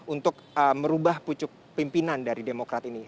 untuk merubah pucuk pimpinan dari demokrat ini